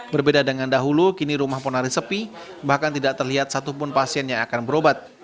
berbeda dengan dahulu kini rumah ponari sepi bahkan tidak terlihat satupun pasien yang akan berobat